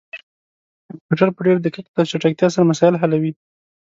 کمپيوټر په ډير دقت او چټکتيا سره مسايل حلوي